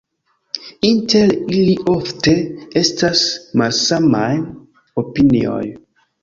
Inter ili ofte estas malsamaj opinioj.